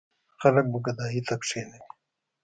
خلک به ګدايۍ ته کېنوي.